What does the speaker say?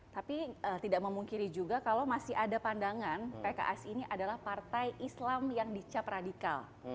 tapi tidak memungkiri juga kalau masih ada pandangan pks ini adalah partai islam yang dicap radikal